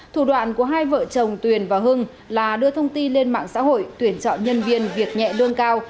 thủ đoạn của hai vợ chồng tuyền và hưng là đưa thông tin lên mạng xã hội tuyển chọn nhân viên việc nhẹ lương cao